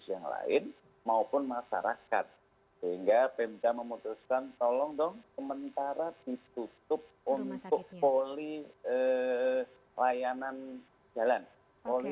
pihak rumah sakit qem menyatakan akan dilakukan mulai sabtu sembilan mei hingga delapan belas mei